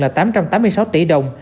là tám trăm tám mươi sáu tỷ đồng